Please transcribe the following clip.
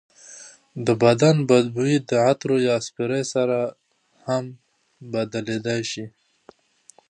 د بدن بوی د عطر یا سپرې سره هم بدلېدای شي.